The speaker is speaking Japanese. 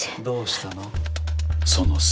どうしたの？